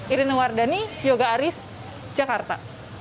irina wardani yoga aris jakarta